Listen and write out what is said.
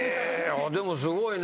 でもすごいね。